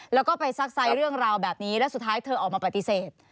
แล้วก็ไปซักไซส์เรื่องราวแบบนี้แล้วสุดท้ายเธอออกมาปฏิเสธ